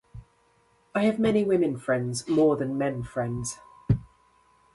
I have many women friends, more than men friends.